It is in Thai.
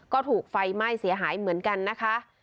ก็ถูกไฟไหม้เสียหายเหมือนกันนะคะ